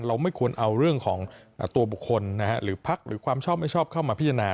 ไม่ควรเอาเรื่องของตัวบุคคลหรือพักหรือความชอบไม่ชอบเข้ามาพิจารณา